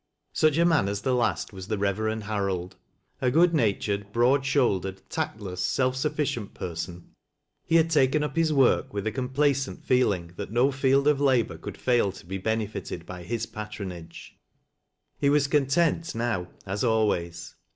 Such a man as the last was the Ilev crend Harold. A good natured, broad shouldered, tact less, self sufficient person, he had taken up his work with ft complacent feeling that no field of labor could fail to be benefited by his patronage ; he was content now aa always.